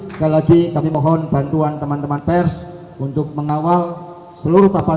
sekali lagi kami mohon bantuan teman teman pers untuk mengawal seluruh tapan tapan ini